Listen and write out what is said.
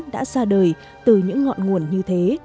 đã ra đời từ những ngọn nguồn như thế